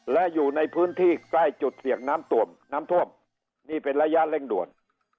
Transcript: และอยู่ในพื้นที่ใกล้จุดเสี่ยงน้ำท่วมนี่เป็นระยะเร่งด่วน